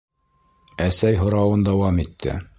Әсәй һорауын дауам итте.